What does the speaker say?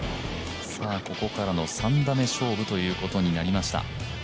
ここからの３打目勝負ということになりました。